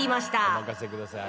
お任せください。